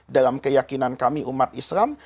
dalam keyakinan kami umat islam